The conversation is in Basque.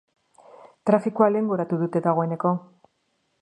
Trafikoa lehengoratu dute dagoeneko.